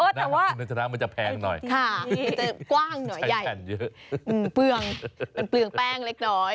แต่ว่าค่ะมันจะกว้างหน่อยใหญ่มันเปลืองเปลืองแป้งเล็ก